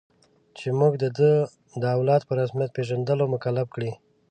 چې موږ د ده او اولاد په رسمیت پېژندلو مکلف کړي.